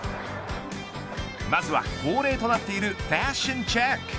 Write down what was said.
まずは恒例となっているファッションチェック。